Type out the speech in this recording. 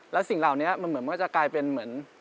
แล้วสิ่งเหล่านี้มันเหมือนก็จะกลายเป็นเหมือน